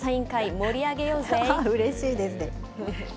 うれしいですね。